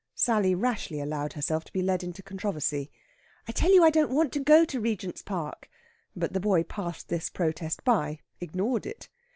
Sally rashly allowed herself to be led into controversy. "I tell you I don't want to go to Regents Park." But the boy passed this protest by ignored it.